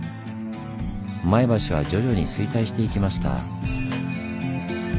前橋は徐々に衰退していきました。